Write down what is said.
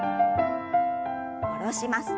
下ろします。